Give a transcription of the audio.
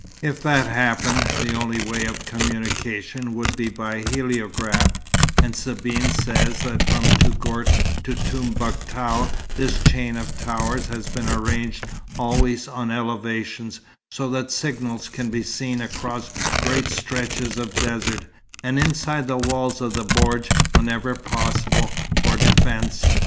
If that happened, the only way of communication would be by heliograph; and Sabine says that from Touggourt to Tombouctou this chain of towers has been arranged always on elevations, so that signals can be seen across great stretches of desert; and inside the walls of a bordj whenever possible, for defence.